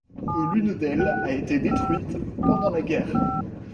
L'une d'elles a été détruite pendant la guerre.